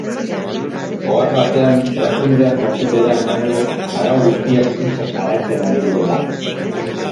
Ohar batean erakundeak jakitera eman du arau guztiak zuzen jarraitzen ari direla.